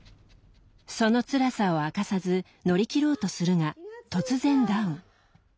そのつらさを明かさず乗り切ろうとするが突然ダウン。